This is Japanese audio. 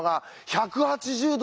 １８０°